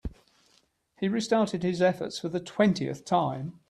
He restarted his efforts for the twentieth time.